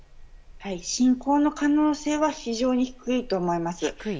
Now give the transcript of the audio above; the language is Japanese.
侵攻の可能性は非常に低いと思います。